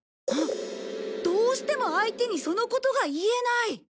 どうしても相手にそのことが言えない？